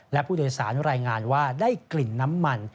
และผู้โดยสารรายงานว่าได้กลิ่นน้ำมัน